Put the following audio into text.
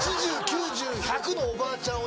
８０９０１００のおばあちゃん